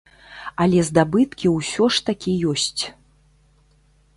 Але здабыткі усё ж такі ёсць.